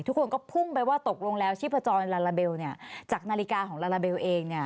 ทุกคนก็พุ่งไปว่าตกลงแล้วชีพจรลาลาเบลจากนาฬิกาของลาลาเบลเอง